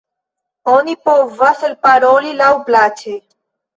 Oni povas elparoli laŭplaĉe.